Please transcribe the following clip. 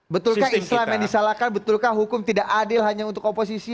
betulkah islam yang disalahkan betulkah hukum tidak adil hanya untuk oposisi